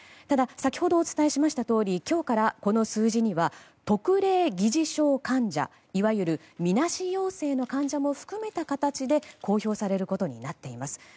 ただ先ほどお伝えしましたとおり今日からこの数字には特例疑似症患者いわゆる、みなし陽性の患者も含めた形で公表されることになっています。